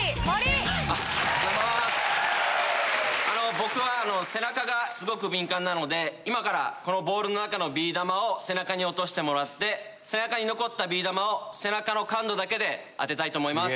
僕は背中がすごく敏感なので今からこのボウルの中のビー玉を背中に落としてもらって背中に残ったビー玉を背中の感度だけで当てたいと思います。